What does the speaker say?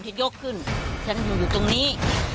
ยกขึ้นฉันอยู่ตรงนี้